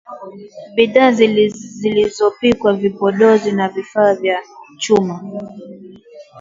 bidhaa zilizopikwa vipodozi na vifaa vya chuma